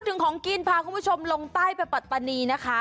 ถึงของกินพาคุณผู้ชมลงใต้ไปปัตตานีนะคะ